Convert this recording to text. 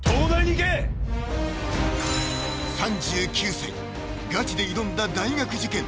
今夜は３９歳ガチで挑んだ大学受験